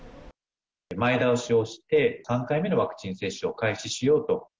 前倒しをして、３回目のワクチン接種を開始しようと。